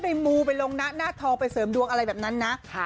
มูไปลงหน้าทองไปเสริมดวงอะไรแบบนั้นนะ